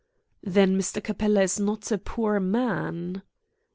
"Then Mr. Capella is not a poor man?"